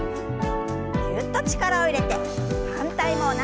ぎゅっと力を入れて反対も同じように。